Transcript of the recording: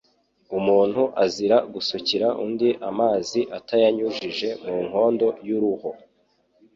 Umuntu azira gusukira undi amazi atayanyujije mu nkondo y’uruho,